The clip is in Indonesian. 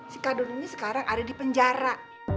si kader ini sekarang ada di penjara